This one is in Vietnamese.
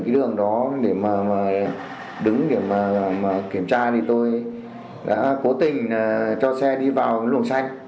khi kiểm tra tôi đã cố tình cho xe đi vào lường xanh